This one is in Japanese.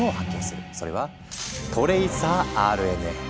それは「トレイサーＲＮＡ」。